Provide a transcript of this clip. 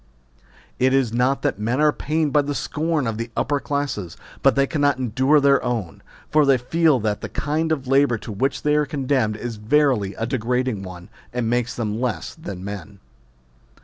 It is not that men are pained by the scorn of the upper classes, but they cannot endure their own ; for they feel that the kind of labour to which they are condemned is verily a degrading one, and makes them less than men.